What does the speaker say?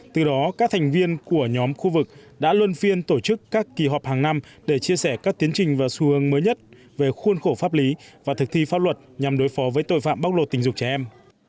từ đó các thành viên của nhóm khu vực đã luôn phiên tổ chức các kỳ họp hàng năm để chia sẻ các tiến trình và xu hướng mới nhất về khuôn khổ pháp lý và thực thi pháp luật nhằm đối phó với tội phạm bóc lột tình dục trẻ em